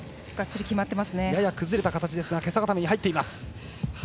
やや崩れた形ですがけさ固めに入っています。